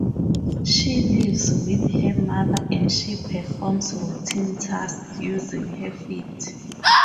She lives with her mother and she performs routine tasks using her feet.